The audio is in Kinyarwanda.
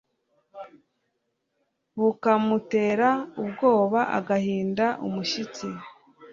bukamutera ubwoba agahinda umushyitsi